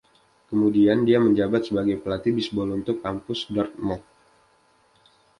Kemudian, dia menjabat sebagai pelatih bisbol untuk Kampus Dartmouth.